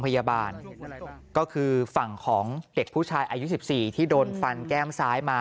พยาบาลก็คือฝั่งของเด็กผู้ชายอายุ๑๔ที่โดนฟันแก้มซ้ายมา